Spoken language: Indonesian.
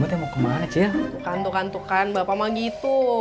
tuh kan tuh kan tuh kan bapak mah gitu